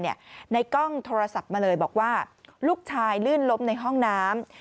ในกล้องโทรศัพท์มาเลยบอกว่าลูกชายลื่นล้มในห้องน้ำ